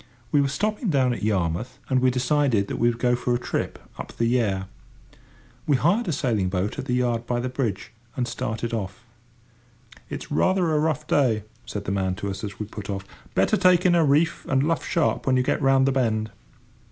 We were stopping down at Yarmouth, and we decided we would go for a trip up the Yare. We hired a sailing boat at the yard by the bridge, and started off. "It's rather a rough day," said the man to us, as we put off: "better take in a reef and luff sharp when you get round the bend."